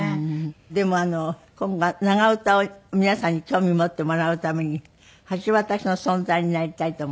でも今後は長唄を皆さんに興味持ってもらうために橋渡しの存在になりたいと思ってらっしゃる？